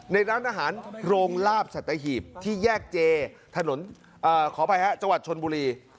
ในร้านอาหารโรงลาบสัตหีบที่แยกเจถนนขออภัยฮะจังหวัดชนบุรี